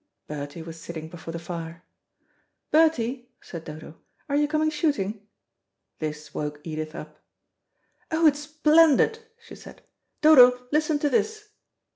Bertie was sitting before the fire. "Bertie," said Dodo, "are you coming shooting?" This woke Edith up. "Oh, it's splendid," she said. "Dodo, listen to this."